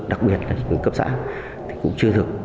đặc biệt là chính quyền cấp xã cũng chưa được